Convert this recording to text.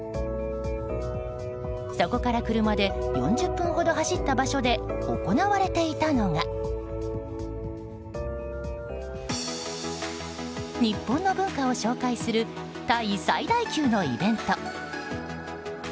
そこから車で４０分ほど走った場所で行われていたのが日本の文化を紹介するタイ最大級のイベント